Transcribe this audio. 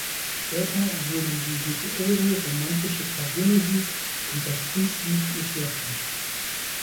Später wurden die virtuose romantische Klaviermusik und das Kunstlied ihr Schwerpunkt.